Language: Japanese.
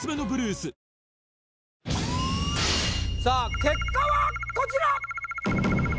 さあ結果はこちら！